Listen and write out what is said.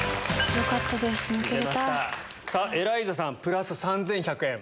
エライザさんプラス３１００円。